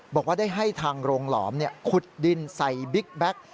บอกว่าได้ให้ทางโรงหลอมขุดดินใส่บิ๊กแบ็ค